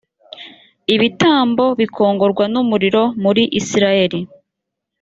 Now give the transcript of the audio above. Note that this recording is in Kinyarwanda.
ibitambo bikongorwa n umuriro muri isirayeli